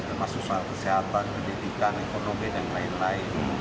termasuk soal kesehatan pendidikan ekonomi dan lain lain